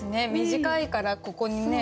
短いからここにね。